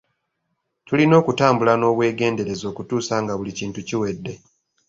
Tulina okutambula n'obwegendereza okutuusa nga buli kintu kiwedde.